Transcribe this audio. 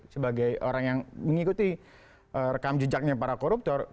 sebagai orang yang mengikuti rekam jejaknya para koruptor